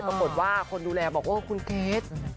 ปรากฏว่าคนดูแลบอกว่าคุณเกษตร์